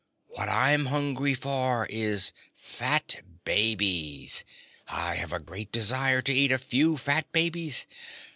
"What I'm hungry for is fat babies. I have a great desire to eat a few fat babies.